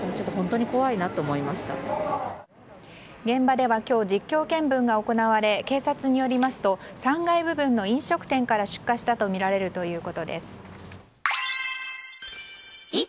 現場では今日実況見分が行われ警察によりますと３階部分の飲食店から出火したとみられるということです。